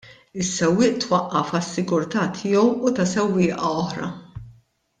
Is-sewwieq twaqqaf għas-sigurta' tiegħu u ta' sewwieqa oħra.